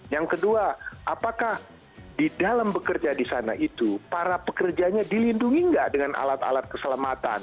yang kedua apakah di dalam bekerja di sana itu para pekerjanya dilindungi nggak dengan alat alat keselamatan